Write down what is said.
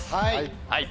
はい。